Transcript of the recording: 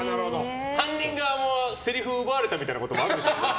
犯人側も、せりふ奪われたみたいなこともあるのかな。